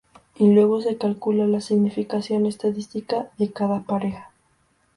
Y luego, se calcula la significación estadística de cada pareja.